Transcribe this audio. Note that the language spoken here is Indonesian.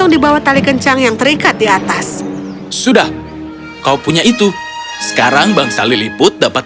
dibawa tali kencang yang terikat di atas sudah kau punya itu sekarang bangsa lilliput dapat